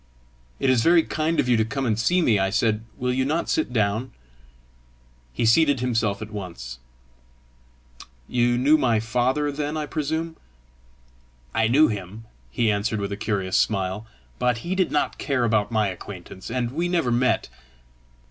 "It is very kind of you to come and see me," I said. "Will you not sit down?" He seated himself at once. "You knew my father, then, I presume?" "I knew him," he answered with a curious smile, "but he did not care about my acquaintance, and we never met.